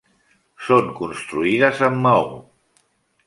Són construïdes amb maó.